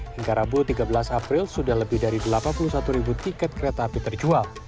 hingga rabu tiga belas april sudah lebih dari delapan puluh satu ribu tiket kereta api terjual